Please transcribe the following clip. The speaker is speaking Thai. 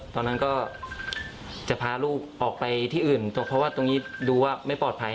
ตอนนั้นก็จะพาลูกออกไปที่อื่นเพราะว่าตรงนี้ดูว่าไม่ปลอดภัย